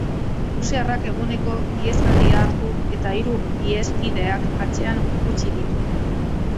Errusiarrak eguneko ihesaldia hartu eta hiru iheskideak atzean utzi ditu.